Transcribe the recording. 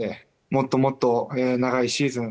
もっともっと、長いシーズン